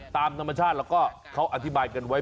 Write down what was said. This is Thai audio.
ตามธรรมชาติแล้วก็เขาอธิบายกันไว้